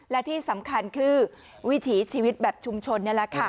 และที่สำคัญคือวิถีชีวิตแบบชุมชนนี่แหละค่ะ